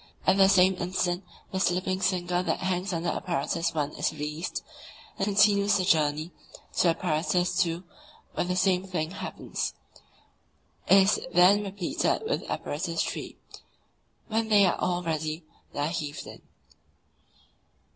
At the same instant the slipping sinker that hangs under Apparatus I. is released, and continues the journey to Apparatus II., where the same thing happens. It is then repeated with Apparatus III. When they are all ready, they are heaved in.